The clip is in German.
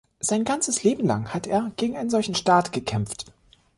Sein ganzes Leben lang hat er gegen einen solchen Staat gekämpft.